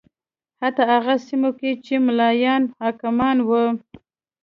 حتی هغه سیمو کې چې ملایان حاکمان و